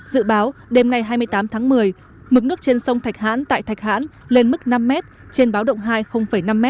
dự báo đêm nay hai mươi tám tháng một mươi mực nước trên sông thạch hãn tại thạch hãn lên mức năm m trên báo động hai năm m